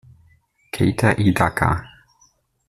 Keita Hidaka